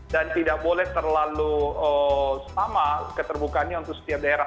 dan tidak boleh terlalu sama keterbukaannya untuk setiap daerah